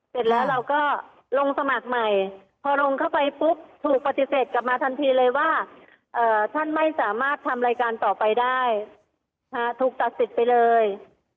เสร็จแล้วเราก็ลงสมัครใหม่พอลงเข้าไปปุ๊บถูกปฏิเสธกลับมาทันทีเลยว่าท่านไม่สามารถทำรายการต่อไปได้ถูกตัดสิทธิ์ไปเลย